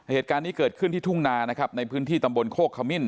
เหตุการณ์นี้เกิดขึ้นที่ทุ่งนานะครับในพื้นที่ตำบลโคกขมิ้น